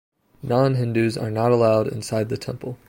Non-Hindus are not allowed inside the temple.